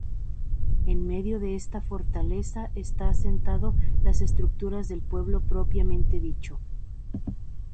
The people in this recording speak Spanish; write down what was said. En medio de esta fortaleza está asentado las estructuras del pueblo propiamente dicho.